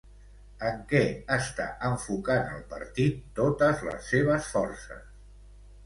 En què està enfocant el partit totes les seves forces?